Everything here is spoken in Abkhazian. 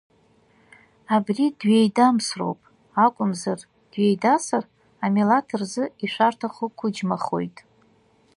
Ари дҩеидамсроуп, акәымзар, дҩеидасыр, амилаҭ рзы ишәарҭахо қәыџьмахоит.